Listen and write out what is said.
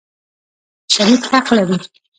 شریک حق لري.